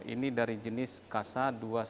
ini dari jenis kasa dua ratus dua belas